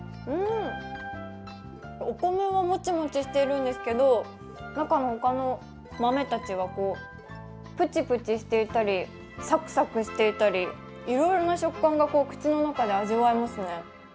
お米はもちもちしてるんですけど、中の他の豆たちはプチプチしていたり、サクサクしていたりいろいろな食感が口の中で味わえますね。